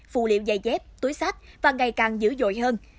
phù liệu dày dép túi sách và ngày càng dữ dội hơn